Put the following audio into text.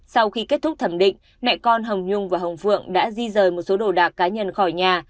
sau khi kết thúc thẩm định mẹ con hồng nhung và hồng phượng đã di rời một số đồ đạc cá nhân khỏi nhà